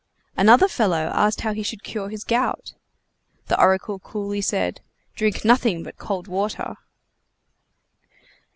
Another fellow asked how he should cure his gout? The oracle coolly said: "Drink nothing but cold water!"